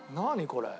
これ。